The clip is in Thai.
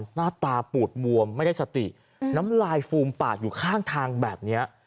หน้าตาปูดบวมไม่ได้สติน้ำลายฟูมปากอยู่ข้างทางแบบนี้